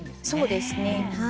そうですね。